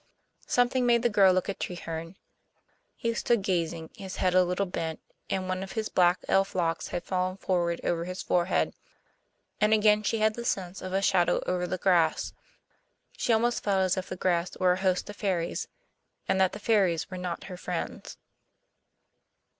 Something made the girl look at Treherne. He stood gazing, his head a little bent, and one of his black elf locks had fallen forward over his forehead. And again she had the sense of a shadow over the grass; she almost felt as if the grass were a host of fairies, and that the fairies were not her friends.